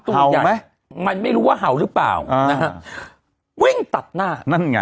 ตัวใหญ่ห่าวไหมมันไม่รู้ว่าห่าวหรือเปล่าอ่าวิ่งตัดหน้านั่นไง